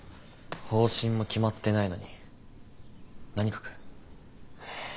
方針も決まってないのに何書く？